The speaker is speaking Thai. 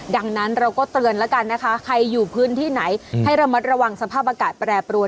ดังนั้นเราก็เตือนแล้วกันนะคะใครอยู่พื้นที่ไหนให้ระมัดระวังสภาพอากาศแปรปรวน